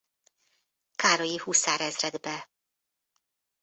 Károlyi huszárezredbe.